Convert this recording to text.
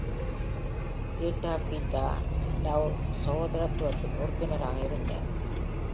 ஜீட்டா Beta Tau சகோதரத்துவத்தின் உறுப்பினராக இருந்தார்.